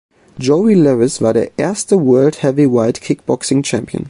Joe Lewis war der erste "World Heavyweight Kickboxing Champion".